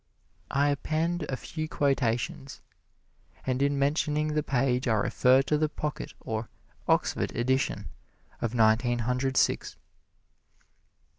I append a few quotations, and in mentioning the page I refer to the pocket or "Oxford" edition of Nineteen Hundred Six.